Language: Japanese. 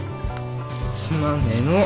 つまんねえの。